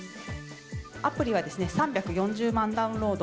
アプリは３４０万ダウンロード。